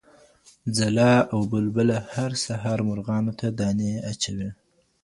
ځلا او بلبله هر سهار مرغانو ته دانې اچوی.